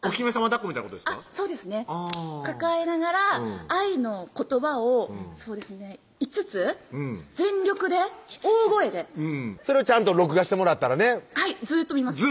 だっこみたいなことそうですね抱えながら愛の言葉をそうですね５つ全力で大声でそれをちゃんと録画してもらったらねはいずーっと見ます